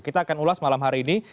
kita akan ulas malam hari ini